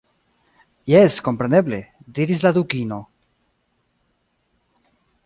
"Jes, kompreneble," diris la Dukino.